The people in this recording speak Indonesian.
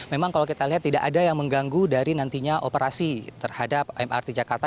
memang kalau kita lihat tidak ada yang mengganggu dari nantinya operasi terhadap mrt jakarta